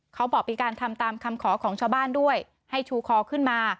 เขาบอกมีการทำตามคำขอของชาวบ้านด้วยให้ชูคอขึ้นมา